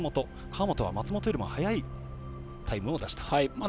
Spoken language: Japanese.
川本は、松元よりも速いタイムを出したと。